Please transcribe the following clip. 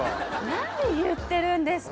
何言ってるんですか。